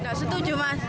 tidak setuju mas